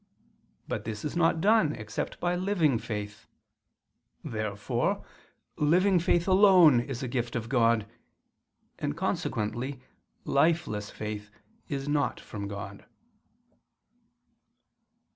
But this is not done except by living faith. Therefore living faith alone is a gift of God: and consequently lifeless faith is not from God.